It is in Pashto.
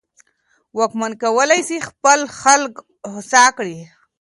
واکمن کولای سي خپل خلګ هوسا کړي.